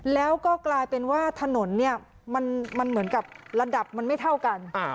แล้วก็กลายเป็นว่าถนนเนี่ยมันเหมือนกับระดับมันไม่เท่ากัน